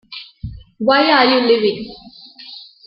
Why are you leaving?